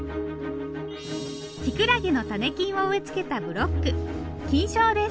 キクラゲの種菌を植え付けたブロック菌床です。